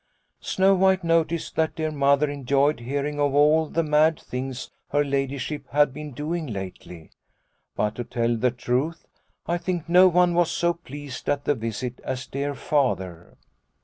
Snow White noticed that dear Mother enjoyed hearing of all the mad things her ladyship had been doing lately. " But to tell the truth, I think no one was so pleased at the visit as dear Father.